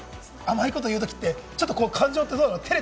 甘いこと言う時ってちょっと感情はどうなの？